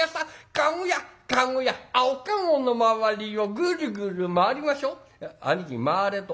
駕籠屋駕籠屋あっお駕籠の周りをぐるぐる回りましょ「兄貴回れと」。